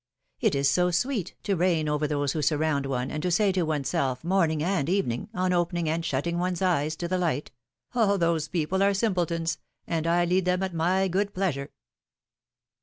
It is so sweet to reign over those who surround one, and to say to one's self, morning and evening, on opening and shutting one's eyes to the light: ^^All those people are simpletons, and I lead them at my good pleasure